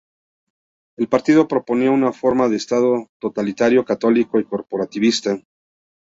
El partido proponía una forma de Estado totalitario católico y corporativista.